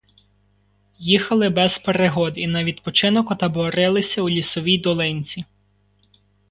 Їхали без пригод і на відпочинок отаборилися у лісовій долинці.